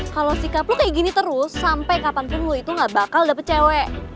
kalo sikap lo kayak gini terus sampe kapanpun lo itu gak bakal dapet cewek